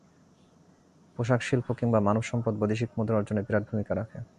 পোশাক শিল্প কিংবা মানব সম্পদ বৈদেশিক মুদ্রা অর্জনে বিরাট ভূমিকা রাখে।